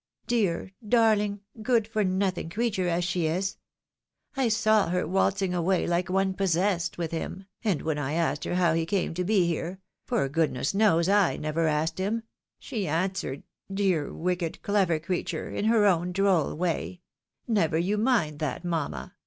Dear, darling, good for nothing creature as she is ! I saw her waltzing away like one possessed with him, and when I asked her how he came to be here — ^for goodness knows I never asked him — she answered, dear, wicked, clever creature," in her own droll way, ' Never you mind that, mamma!